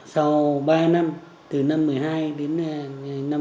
sau ba năm từ năm hai nghìn một mươi hai đến năm hai nghìn một mươi sáu